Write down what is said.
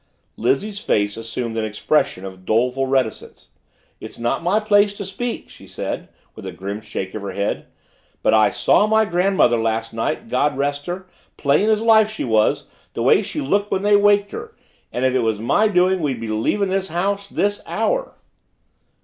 Lizzie's face assumed an expression of doleful reticence. "It's not my place to speak," she said with a grim shake of her head, "but I saw my grandmother last night, God rest her plain as life she was, the way she looked when they waked her and if it was my doing we'd be leaving this house this hour!"